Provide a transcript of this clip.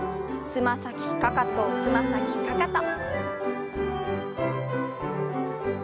つま先かかとつま先かかと。